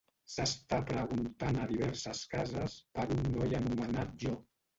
S'està preguntant a diverses cases per un noi anomenat Jo.